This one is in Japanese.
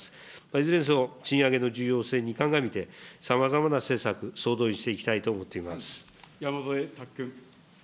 いずれにせよ、賃上げの重要性に鑑みて、さまざまな施策、総動員していきたいと山添拓君。